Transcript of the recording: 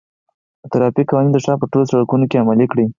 د ترافیک قوانین د ښار په ټولو سړکونو کې عملي دي.